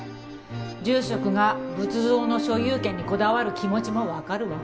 住職が仏像の所有権にこだわる気持ちもわかるわ。